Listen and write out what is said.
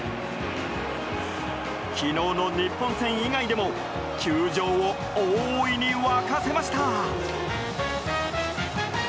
昨日の日本戦以外でも球場を大いに沸かせました。